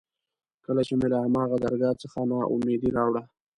کله چې مې له هماغه درګاه څخه نا اميدي راوړه.